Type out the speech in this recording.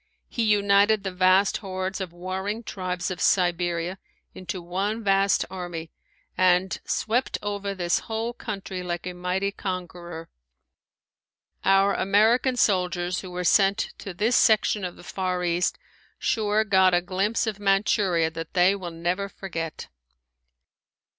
He united the vast hordes of warring tribes of Siberia into one vast army and swept over this whole country like a mighty conqueror. Our American soldiers who were sent to this section of the Far East sure got a glimpse of Manchuria that they will never forget.